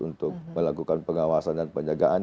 untuk melakukan pengawasan dan penjagaan